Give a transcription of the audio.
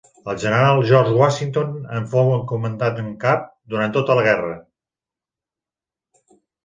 El general George Washington en fou el comandant en cap durant tota la guerra.